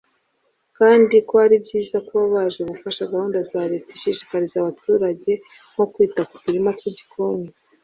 kandi ko ari byiza kuba baje gufasha gahunda za Leta ishishikariza abaturage nko kwita ku turima tw’igikoni